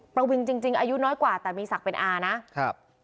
ประวิงจริงอายุน้อยกว่าแต่มีสักเป็นอานะ